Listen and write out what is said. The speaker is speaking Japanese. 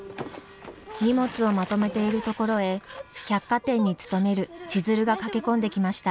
荷物をまとめているところへ百貨店に勤める千鶴が駆け込んできました。